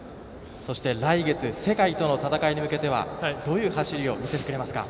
そして、来月世界との戦いに向けてはどういう走りを見せてくれますか。